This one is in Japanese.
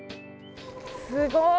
すごい！